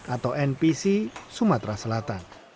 atau npc sumatera selatan